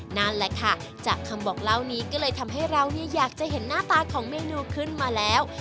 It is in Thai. นั่นแหละค่ะจากคำบอกเล่านี้ก็เลยทำให้เราเนี่ยอยากจะเห็นหน้าตาของเมนูขึ้นมาแล้ว